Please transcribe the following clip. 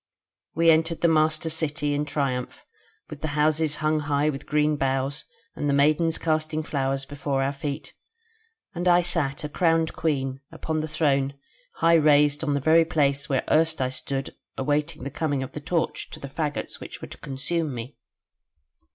We entered the master City in triumph, with the houses hung with green boughs and the maidens casting flowers before our feet, and I sat a crowned Queen upon the throne high raised on the very place where erst I stood awaiting the coming of the torch to the faggots which were to consume me.